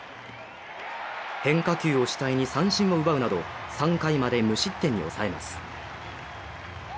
変化球を主体に三振を奪うなど３回まで無失点に抑えます。